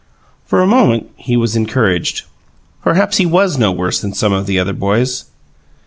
For a moment he was encouraged: perhaps he was no worse than some of the other boys.